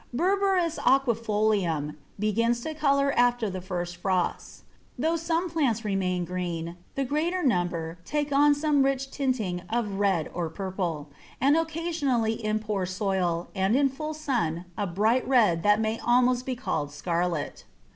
Berberis Aquifolium begins to colour after the first frosts; though some plants remain green, the greater number take on some rich tinting of red or purple, and occasionally in poor soil and in full sun a bright red that may almost be called scarlet.